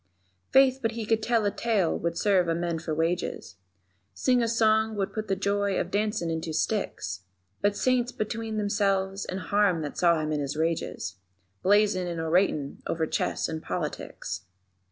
_ Faith, but he could tell a tale would serve a man for wages, Sing a song would put the joy of dancin' in two sticks; But Saints between themselves and harm that saw him in his rages, Blazin' and oratin' over chess and politics.